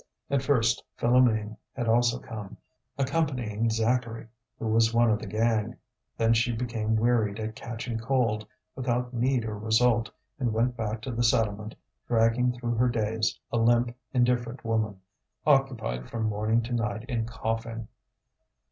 At first, Philoméne had also come, accompanying Zacharie, who was one of the gang; then she became wearied at catching cold, without need or result, and went back to the settlement, dragging through her days, a limp, indifferent woman, occupied from morning to night in coughing.